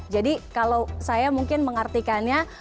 jadi kalau saya mungkin mengartikannya